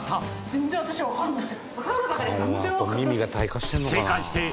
全然分からない